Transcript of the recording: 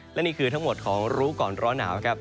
และนี่คือทั้งหมดของรู้ก่อนร้อนหนาวครับ